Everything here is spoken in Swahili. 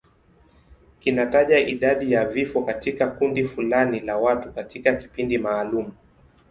Kinataja idadi ya vifo katika kundi fulani la watu katika kipindi maalum.